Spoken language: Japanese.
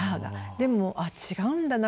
でも「あっ違うんだな。